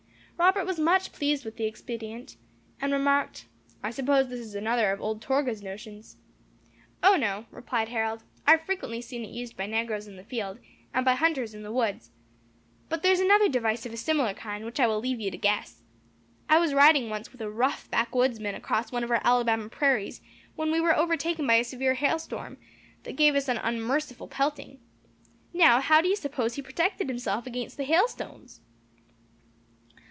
Robert was much pleased with the expedient, and remarked, "I suppose this is another of old Torgah's notions." "O, no," replied Harold. "I have frequently seen it used by negroes in the field, and by hunters in the woods. But there is another device of a similar kind, which I will leave you to guess. I was riding once with a rough backwoodsman across one of our Alabama prairies, when we were overtaken by a severe hail storm, that gave us an unmerciful pelting. Now, how do you suppose he protected himself against the hailstones?"